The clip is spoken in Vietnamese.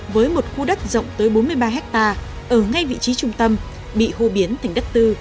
với một khu đất rộng tới bốn mươi ba hectare ở ngay vị trí trung tâm bị hô biến thành đất tư